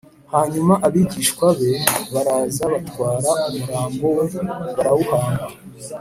Hanyuma abigishwa be baraza batwara umurambo we barawuhamba